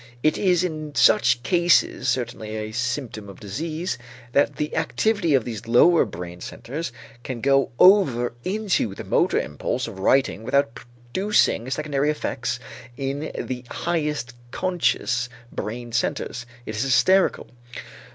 It is in such cases certainly a symptom of disease that the activity of these lower brain centers can go over into the motor impulse of writing without producing secondary effects in the highest conscious brain centers; it is hysterical.